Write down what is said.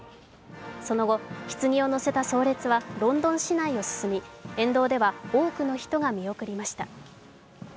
その後、ひつぎを乗せた葬列はロンドン市内を進み、沿道では多くの人が見送りました。